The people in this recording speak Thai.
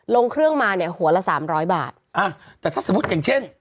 ลงเครื่องมาเนี่ยหัวละสามร้อยบาทอ่าแต่ถ้าสมมุติอย่างเช่น